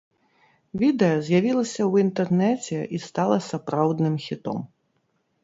Відэа з'явілася ў інтэрнэце і стала сапраўдным хітом.